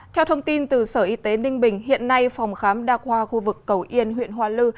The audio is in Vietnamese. theo thông tin từ sở y tế ninh bình hiện nay phòng khám đa khoa khu vực cầu yên huyện hoa lư